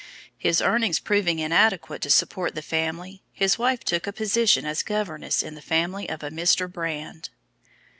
His earnings proving inadequate to support the family, his wife took a position as governess in the family of a Mr. Brand.